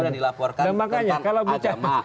ada mas guntur yang dilaporkan tentang agama